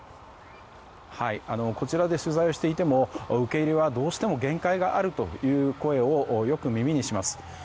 こちらで取材をしていても受け入れはどうしても限界があるという声をよく耳にします。